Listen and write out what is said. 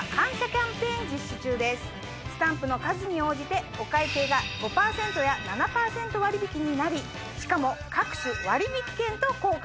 スタンプの数に応じてお会計が５％や７％割引きになりしかも各種割引券と交換できます。